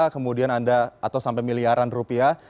kemudian anda atau sampai miliaran rupiah